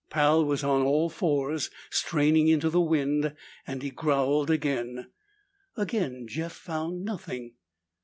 Pal was on all fours, straining into the wind, and he growled again. Again Jeff found nothing.